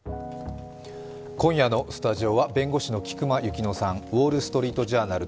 今夜のスタジオは弁護士の菊間千乃さん、「ウォール・ストリート・ジャーナル」